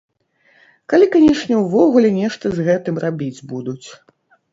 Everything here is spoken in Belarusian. Калі, канешне, ўвогуле нешта з гэтым рабіць будуць.